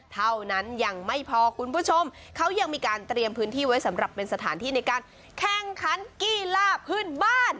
เท่านั้นยังไม่พอคุณผู้ชมเขายังมีการเตรียมพื้นที่ไว้สำหรับเป็นสถานที่ในการแข่งขันกีฬาพื้นบ้าน